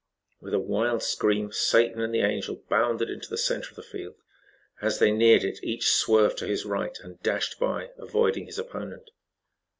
With a wild scream Satan and the Angel bounded into the center of the field. As they neared it each swerved to his right and dashed by, avoiding his opponent.